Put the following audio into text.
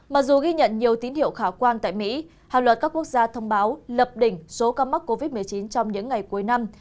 mặc dù ghi nhận nhiều tín hiệu khả quan tại mỹ hàng loạt các quốc gia thông báo lập đỉnh số ca mắc covid một mươi chín trong những ngày cuối năm